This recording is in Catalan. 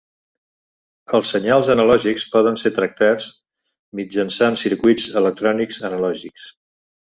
Els senyals analògics poden ser tractats mitjançant circuits electrònics analògics.